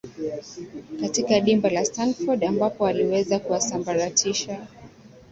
katika dimba la stanford ambapo aliweza kuwasambaratisha